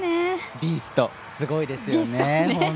ビースト、すごいですよね。